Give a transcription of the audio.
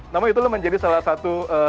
namun itulah menjadi salah satu